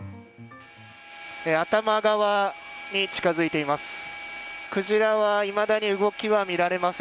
頭側に近づいています。